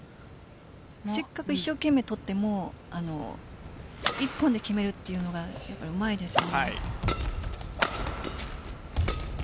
せっかく一生懸命取っても１本で決めるというのがうまいですよね。